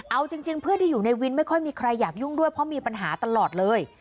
เอาจริงเพื่อนที่อยู่ในวินไม่ค่อยมีใครอยากยุ่งด้วยเพราะมีปัญหาตลอดเลย